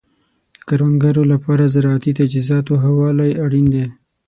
د کروندګرو لپاره د زراعتي تجهیزاتو ښه والی اړین دی.